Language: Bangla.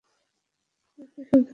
আপনারা শব্দটা শুনেছেন?